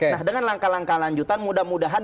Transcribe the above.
nah dengan langkah langkah lanjutan mudah mudahan